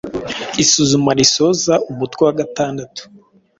Isuzuma risoza umutwe wa gatandatu